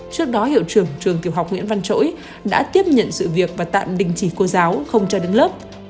trước đó hiệu trưởng trường tiểu học nguyễn văn chỗi đã tiếp nhận sự việc và tạm đình chỉ cô giáo không cho đứng lớp